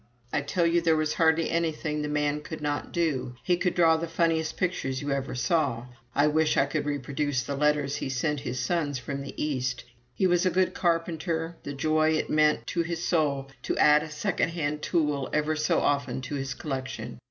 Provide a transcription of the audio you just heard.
I tell you there was hardly anything the man could not do. He could draw the funniest pictures you ever saw I wish I could reproduce the letters he sent his sons from the East. He was a good carpenter the joy it meant to his soul to add a second hand tool ever so often to his collection!